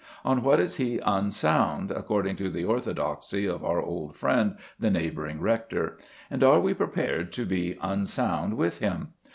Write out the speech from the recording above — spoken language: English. On what is he unsound, according to the orthodoxy of our old friend the neighbouring rector? And are we prepared to be unsound with him?